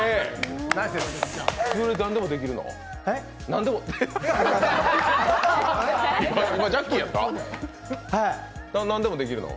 なんでもできるの？